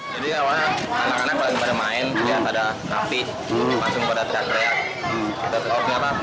jadi awalnya anak anak pada main lihat ada api langsung pada terak terak